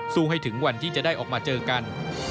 ให้ถึงวันที่จะได้ออกมาเจอกัน